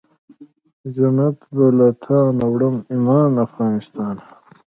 جنت ته به له تانه وړم ایمان افغانستانه